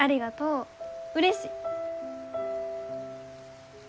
うれしい。